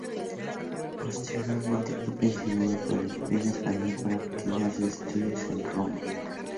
Posteriormente fue pensionado por el gobierno español para continuar sus estudios en Roma.